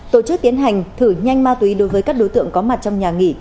tổ chức tiến hành thử nhanh ma túy đối với các đối tượng có mặt trong nhà nghỉ